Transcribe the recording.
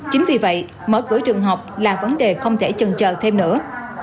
chính vì vậy mở cửa trường học là vấn đề không thể chần chờ thêm nữa